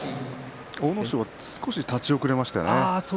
阿武咲は少し立ち遅れましたね。